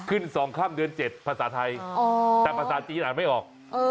ขึ้นสองข้ามเดือนเจ็ดภาษาไทยแต่ภาษาจีนอ่านไม่ออก